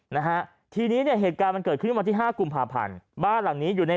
นะฮะทีนี้เนี่ยเหตุการณ์มันเกิดขึ้นวันที่ห้ากุมภาพันธ์บ้านหลังนี้อยู่ใน